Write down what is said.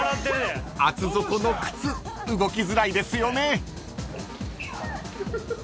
［厚底の靴動きづらいですよね］